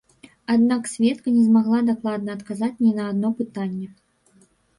Аднак сведка не змагла дакладна адказаць ні на адно пытанне.